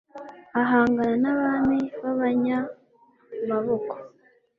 ahangana n'abami b'abanyamaboko